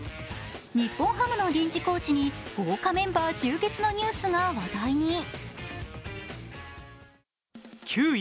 日本ハムの臨時コーチに豪華メンバー集結のニュースが話題に。